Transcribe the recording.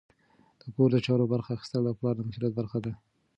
د کور د چارو برخه اخیستل د پلار د مسؤلیت برخه ده.